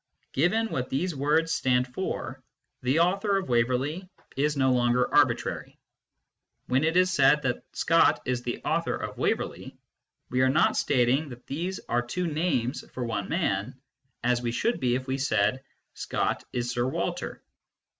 Given what these words stand for, the author of Waverley is no longer arbitrary. When it is said that Scott is the author of Waverley, we are not stating that these are two names for one man, as we should be if we said " Scott is Sir Walter."